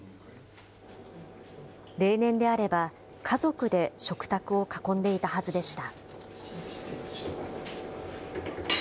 例年であれば、家族で食卓を囲んでいたはずでした。